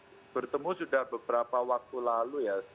iya sebenarnya saya bertemu sudah beberapa waktu lalu ya